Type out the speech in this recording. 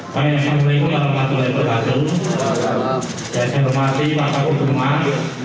pemirsa berikut adalah pak tule bergaduh jaya sembari pak pak udurman